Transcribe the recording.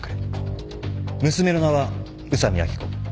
娘の名は宇佐美秋子。